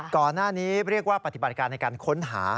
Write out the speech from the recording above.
ก่อนหน้านี้เรียกว่าปฏิบัติการในการค้นหา